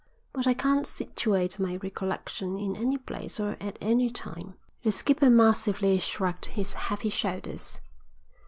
But I can't situate my recollection in any place or at any time." The skipper massively shrugged his heavy shoulders.